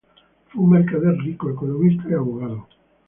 Fue un mercader rico, economista y abogado.